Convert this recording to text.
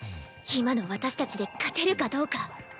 今の私たちで勝てるかどうか。